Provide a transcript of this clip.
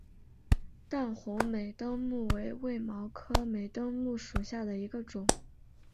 淡红美登木为卫矛科美登木属下的一个种。